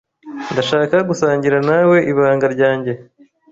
Ndashaka gusangira nawe ibanga ryanjye.